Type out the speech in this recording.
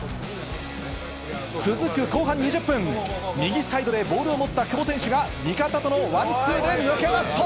続く後半２０分、右サイドでボールを持った久保選手が味方とのワンツーで抜け出すと。